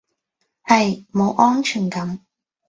係，冇安全感